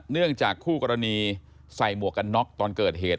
เนื่องจากคู่กรณีใส่หมวกกันน็อกตอนเกิดเหตุ